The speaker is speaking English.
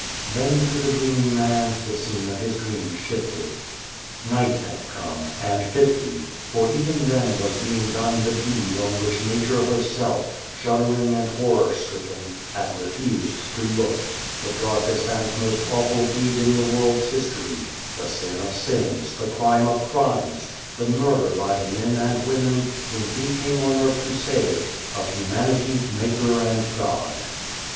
Then to the dreaming man the scene of his dream shifted. Night had come and fitly, for even then 138 Beyond the Door was being done the deed on which Nature herself, shuddering and horror stricken, had refused to look ; the darkest and most awful deed in the world's history the Sin of sins, the Crime of crimes, the murder by the men and women, whom He came on earth to save, of humanity's Maker and God.